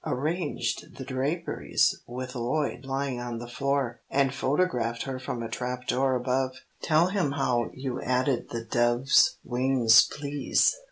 Arranged the draperies with Lloyd lying on the floor, and photographed her from a trap door above. Tell him how you added the doves' wings please."